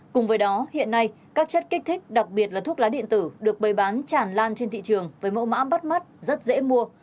cùng với đó hiện nay các chất kích thích đặc biệt là thuốc lá điện tử được bày bán tràn lan trên thị trường với mẫu mã bắt mắt rất dễ mua